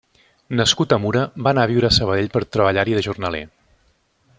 Nascut a Mura, va anar a viure a Sabadell per treballar-hi de jornaler.